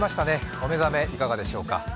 お目覚め、いかがでしょうか。